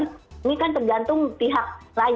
ini kan tergantung pihak lain